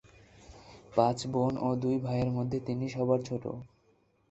পাঁচ বোন ও দুই ভাইয়ের মধ্যে তিনি সবার ছোট।